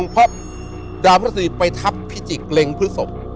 เพราะดาวพระศรีไปทับพิจิกเล็งพฤศพ